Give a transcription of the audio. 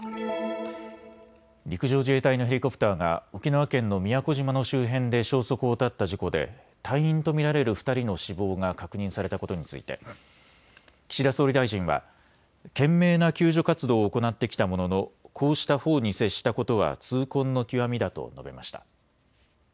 陸上自衛隊のヘリコプターが沖縄県の宮古島の周辺で消息を絶った事故で隊員と見られる２人の死亡が確認されたことについて岸田総理大臣は懸命な救助活動を行ってきたもののこうした報に接したことは痛恨の極みだと述べました。